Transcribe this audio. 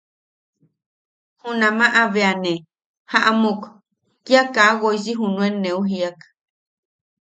Junamaʼa bea ne jaʼamuk, kia kaa woisi junuen neu jiiak.